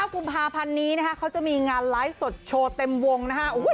กุมภาพันธ์นี้นะคะเขาจะมีงานไลฟ์สดโชว์เต็มวงนะฮะ